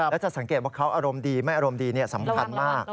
แล้วจะสังเกตว่าเขาอารมณ์ดีไม่อารมณ์ดีสำคัญมาก